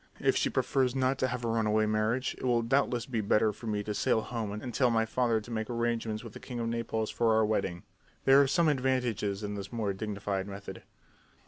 "If she prefers not to have a run away marriage it will doubtless be better for me to sail home and tell my father to make arrangements with the king of Naples for our wedding. There are some advantages in this more dignified method."